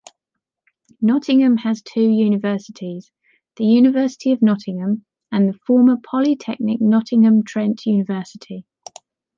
Nottingham has two universities, the University of Nottingham and the former polytechnic Nottingham Trent University.